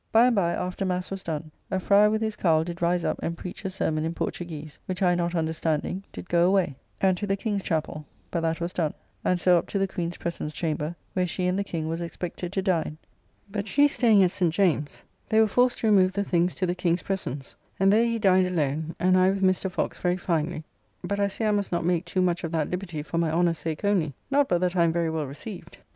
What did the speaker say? By and by, after mass was done, a fryer with his cowl did rise up and preach a sermon in Portuguese; which I not understanding, did go away, and to the King's chappell, but that was done; and so up to the Queen's presence chamber, where she and the King was expected to dine: but she staying at St. James's, they were forced to remove the things to the King's presence [chamber]; and there he dined alone, and I with Mr. Fox very finely; but I see I must not make too much of that liberty for my honour sake only, not but that I am very well received.